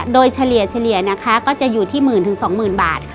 โดยเฉลี่ยก็จะอยู่ที่๑๐๐๐๐๒๐๐๐๐บาท